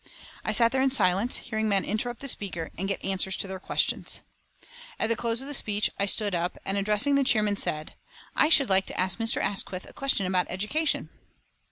I sat there in silence, hearing men interrupt the speaker and get answers to their questions. At the close of the speech I stood up and, addressing the chairman, said: "I should like to ask Mr. Asquith a question about education."